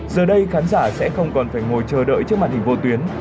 giờ đây khán giả sẽ không còn phải ngồi chờ đợi trước màn hình vô tuyến